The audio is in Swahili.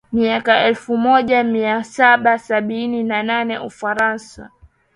mwaka elfumoja miasaba sabini na nane Ufaransa